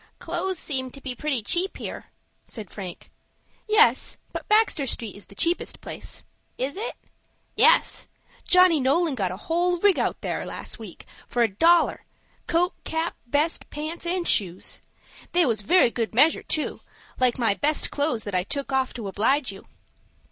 "Clothes seem to be pretty cheap here," said Frank. "Yes, but Baxter Street is the cheapest place." "Is it?" "Yes. Johnny Nolan got a whole rig out there last week, for a dollar,—coat, cap, vest, pants, and shoes. They was very good measure, too, like my best clothes that I took off to oblige you."